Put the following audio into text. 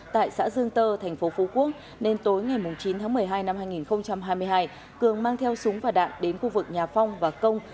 tại xã dương tơ thành phố phú quốc nên tối ngày chín tháng một mươi hai năm hai nghìn hai mươi hai cường mang theo súng và đạn đến khu vực nhà phong và công